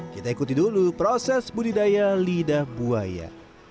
kita ikuti dulu proses budidaya lidah buaya